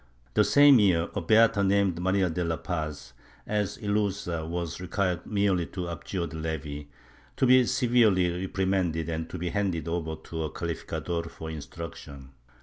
The same year a beata named Maria de la Paz, as ilusa, was required merely to abjure de levi, to be severely reprimanded and to be handed over to a cahficador for instruction.